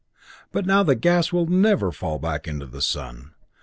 But now the gas will never fall back into the sun.